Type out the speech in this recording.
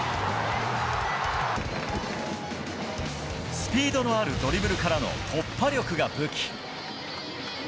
スピードのあるドリブルからの突破力が武器。